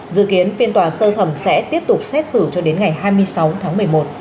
dự kiến phiên tòa sơ thẩm sẽ tiếp tục xét xử cho đến ngày hai mươi sáu tháng một mươi một